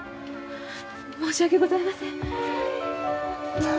申し訳ございません。